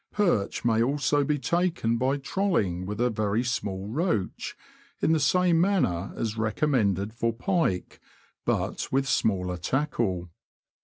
Perch may also be taken by trolling with a very small roach, in the same manner as recommended for pike, but with smaller tackle.